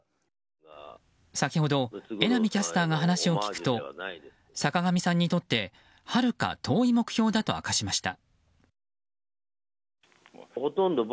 先ほど、榎並キャスターが話を聞くと坂上さんにとってはるか遠い目標だと明かしました。